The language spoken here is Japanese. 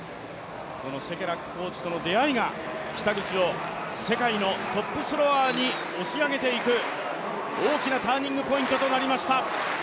このシェケラックコーチとの出会いが北口を世界のトップスロワーに押し上げていく大きなターニングポイントとなりました。